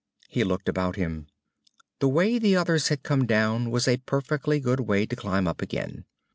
He looked about him. The way the others had come down was a perfectly good way to climb up again.